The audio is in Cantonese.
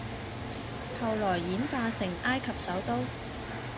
後來演化成埃及首都